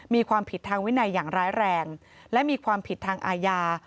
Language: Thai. มีความผิดทางวินัยอย่างร้ายแรงและมีความผิดทางอาญา